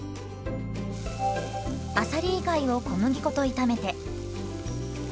あさり以外を小麦粉と炒めて。